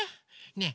ねえ